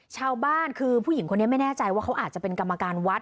ชาวบ้านคือผู้หญิงคนนี้ไม่แน่ใจว่าเขาอาจจะเป็นกรรมการวัด